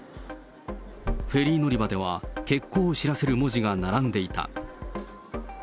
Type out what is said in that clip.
フェリー乗り場では、欠航を知らせる文字が並んでいた。